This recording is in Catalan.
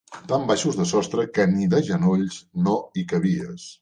Tan baixos de sostre que ni de genolls no hi cabies